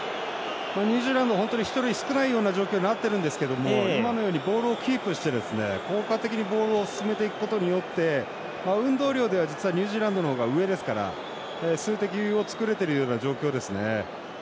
ニュージーランド、本当に１人少ないような状況になっているんですけども今のようにボールをキープして効果的にボールを進めていくことによって運動量では実はニュージーランドの方が上ですから数的優位を作れてる状況ですね。